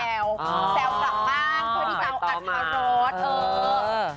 แซวกลับมากเพื่อที่จะเอาอันพร้อม